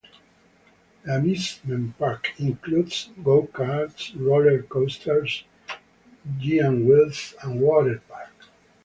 The amusement park includes go-karts, roller coasters, giant wheels and water park.